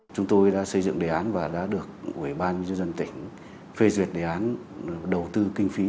chúng tôi đã xây dựng đề án và đã được ủy ban nhân dân tỉnh phê duyệt đề án đầu tư kinh phí